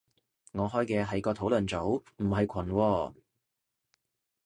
我開嘅係個討論組，唔係群喎